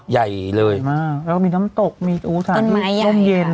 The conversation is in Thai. ใหญ่เลยมากแล้วก็มีน้ำตกมีต้นไม้ร่มเย็น